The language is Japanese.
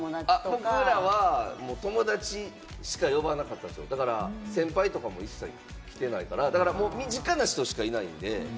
僕らは友達しか呼ばなかったんですよ、先輩とかも一切来てないから、身近な人しかいないんで。